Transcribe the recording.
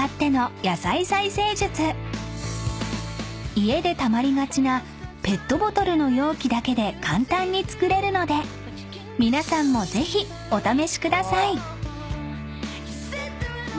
［家でたまりがちなペットボトルの容器だけで簡単に作れるので皆さんもぜひお試しください］